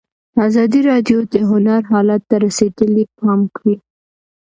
ازادي راډیو د هنر حالت ته رسېدلي پام کړی.